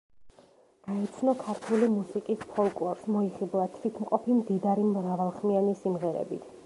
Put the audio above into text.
გაეცნო ქართული მუსიკის ფოლკლორს, მოიხიბლა თვითმყოფი, მდიდარი, მრავალხმიანი სიმღერებით.